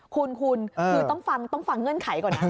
คุณคือต้องฟังเงื่อนไขก่อนนะ